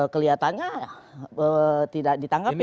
kelihatannya tidak ditangkapi